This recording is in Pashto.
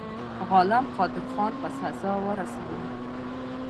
غلم قادرخان په سزا ورساوه.